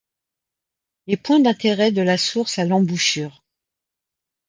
Les points d'intérêt de la source à l'embouchure.